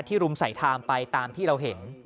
ที่รุมใส่ทามไปตามที่เราเห็น